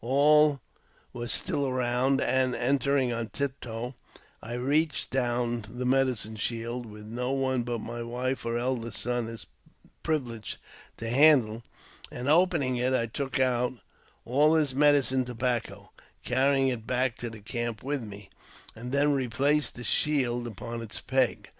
All was still around, and, entering on tip toe| I reached down the medicine shield, which no one but hij wife or eldest son is privileged to handle, and, opening it, took out all his medicine tobacco, carrying it back to the camp with me, and then replaced the shield upon its peg.